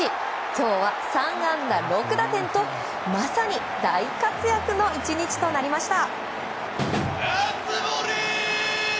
今日は３安打６打点と、まさに大活躍の１日となりました。